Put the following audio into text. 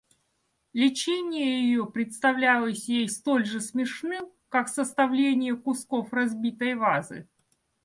Лечение ее представлялось ей столь же смешным, как составление кусков разбитой вазы.